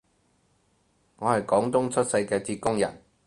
我係廣東出世嘅浙江人